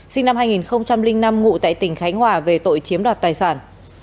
sinh năm hai nghìn năm ngụ tại tỉnh khánh hòa về tội chiếm đoạt tài sản